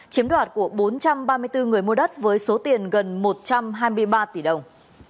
chiếm đoạt của bốn trăm ba mươi bốn người mua đất với số tiền gần một trăm hai mươi ba tỷ đồng